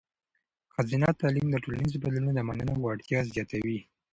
ښځینه تعلیم د ټولنیزو بدلونونو د منلو وړتیا زیاتوي.